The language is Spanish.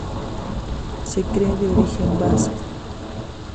Se cree de origen vasco.